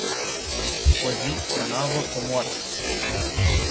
O zi, o navă, o moarte.